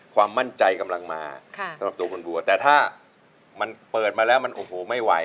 ความมั่นใจกำลังมาสำหรับตัวคุณบัวแต่ถ้ามันเปิดมาแล้วมันโอ้โหไม่ไหว